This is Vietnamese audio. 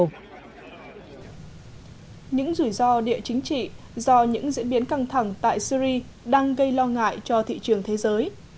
những rủi ro địa chính trị do những diễn biến căng thẳng tại syri đang gây lo ngại cho thị trường thế giới